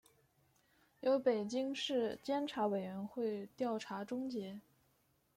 由北京市监察委员会调查终结